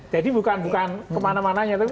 jadi bukan kemana mananya